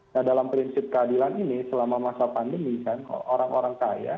nah dalam prinsip keadilan ini selama masa pandemi kan orang orang kaya